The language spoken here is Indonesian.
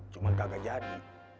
cuman kagak jadi